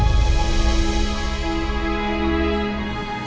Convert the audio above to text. dia masih terus menolong papa